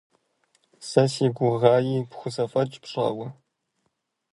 Сэ си гугъаи пхузэфӀэкӀ пщӀауэ.